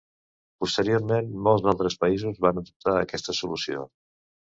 Posteriorment molts altres països van adoptar aquesta solució.